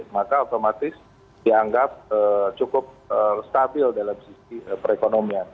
maka otomatis dianggap cukup stabil dalam sisi perekonomian